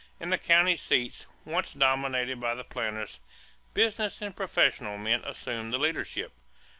In the county seats, once dominated by the planters, business and professional men assumed the leadership.